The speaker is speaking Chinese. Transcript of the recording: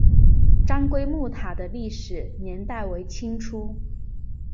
澹归墓塔的历史年代为清初。